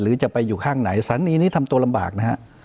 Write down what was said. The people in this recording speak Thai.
จะไปอยู่ข้างไหนสถานีนี้ทำตัวลำบากนะฮะ